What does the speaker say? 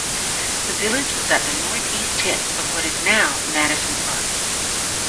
The village was at the northeast tip of what is now Madison Park.